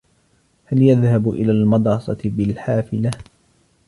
هل يذهب إلى المدرسة بالحافلة؟